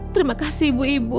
terima kasih ibu ibu